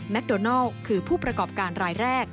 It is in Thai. โดนัลคือผู้ประกอบการรายแรก